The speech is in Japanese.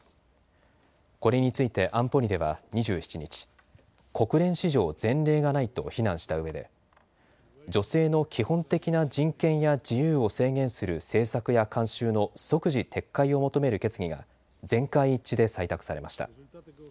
これについて安保理では２７日、国連史上前例がないと非難したうえで女性の基本的な人権や自由を制限する政策や慣習の即時撤回を求める決議が全会一致で採択されました。